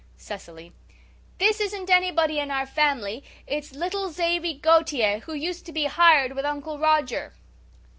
'" CECILY: "This isn't anybody in our family. It's little Xavy Gautier who used to be hired with Uncle Roger."